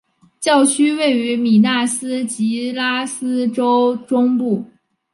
教区位于米纳斯吉拉斯州中部。